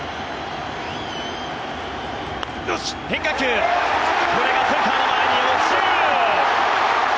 変化球これがセカンドの前に落ちる。